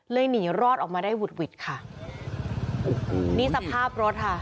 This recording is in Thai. หนีรอดออกมาได้หุดหวิดค่ะโอ้โหนี่สภาพรถค่ะ